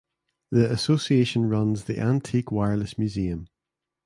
The association runs the Antique Wireless Museum.